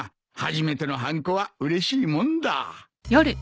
初めてのはんこはうれしいもんだ。